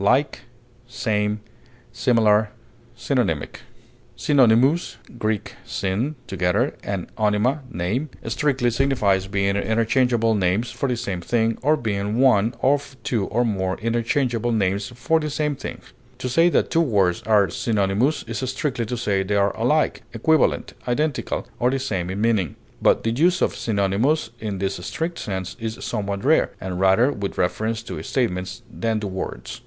corresponding, interchangeable, Synonymous (Gr. syn, together, and onyma, name) strictly signifies being interchangeable names for the same thing, or being one of two or more interchangeable names for the same thing; to say that two words are synonymous is strictly to say they are alike, equivalent, identical, or the same in meaning; but the use of synonymous in this strict sense is somewhat rare, and rather with reference to statements than to words.